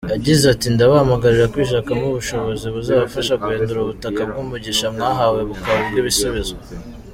Yagize ati ”Ndabahamagarira kwishakamo ubushobozi buzabafasha guhindura ubutaka bw’umugisha mwahawe, bukaba ubw’ibisubizo.